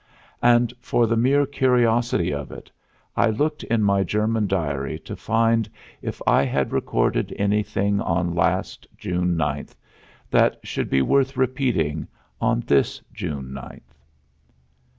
And, for the mere curiosity of it, I looked in my German diary to find if I had recorded anything on last June ninth that should be worth repeating on this June ninth.